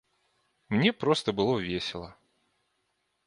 Мне проста было весела.